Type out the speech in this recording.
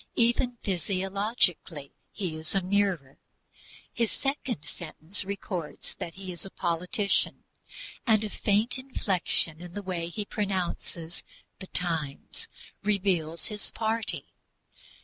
Even physiologically he is a mirror. His second sentence records that he is a politician, and a faint inflection in the way he pronounces The Times reveals his party.